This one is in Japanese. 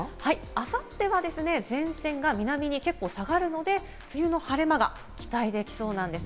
あさっては前線が結構南に下がるので、梅雨の晴れ間が期待できそうなんです。